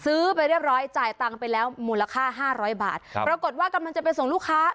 ไปเรียบร้อยจ่ายตังค์ไปแล้วมูลค่าห้าร้อยบาทครับปรากฏว่ากำลังจะไปส่งลูกค้า